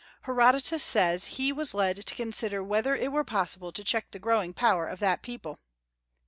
Herodotus says he "was led to consider whether it were possible to check the growing power of that people."